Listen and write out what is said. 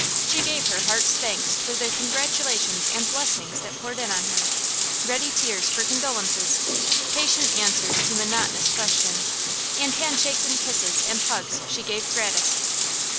She gave her heart's thanks for the congratulations and blessings that poured in on her; ready tears for condolences; patient answers to monotonous questions; and handshakes and kisses and hugs she gave gratis.